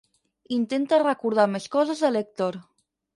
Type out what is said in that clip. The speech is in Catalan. Intenta recordar més coses de l'Èctor.